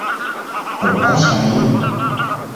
ผมว่าใช้